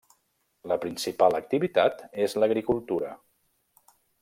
La principal activitat és l'agricultura.